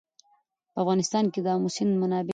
په افغانستان کې د آمو سیند منابع شته.